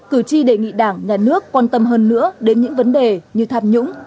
cử tri đề nghị đảng nhà nước quan tâm hơn nữa đến những vấn đề như tham nhũng